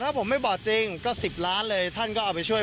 ถ้าผมไม่บอกจริงก็๑๐ล้านเลยท่านก็เอาไปช่วย